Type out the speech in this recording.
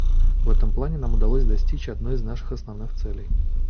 В этом плане нам удалось достичь одной из наших основных целей.